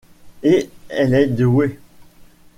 Et elle est douée.